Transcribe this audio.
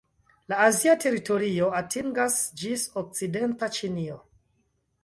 La azia teritorio atingas ĝis okcidenta Ĉinio.